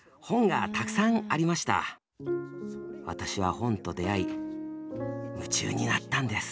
私は本と出会い夢中になったんです。